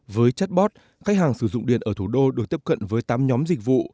với chatbot khách hàng sử dụng điện ở thủ đô được tiếp cận với tám nhóm dịch vụ